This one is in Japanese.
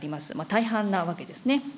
大半なわけでありますね。